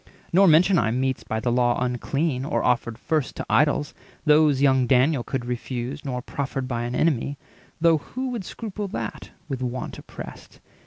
Nor mention I Meats by the law unclean, or offered first To idols—those young Daniel could refuse; Nor proffered by an enemy—though who 330 Would scruple that, with want oppressed?